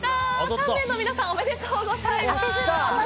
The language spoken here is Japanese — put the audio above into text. ３名の皆さんおめでとうございます。